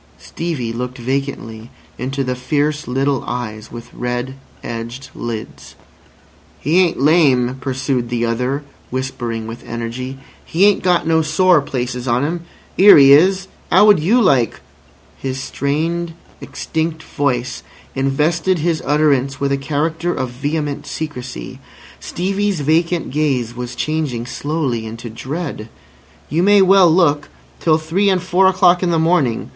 Stevie looked vacantly into the fierce little eyes with red edged lids. "He ain't lame," pursued the other, whispering with energy. "He ain't got no sore places on 'im. 'Ere he is. 'Ow would you like—" His strained, extinct voice invested his utterance with a character of vehement secrecy. Stevie's vacant gaze was changing slowly into dread. "You may well look! Till three and four o'clock in the morning.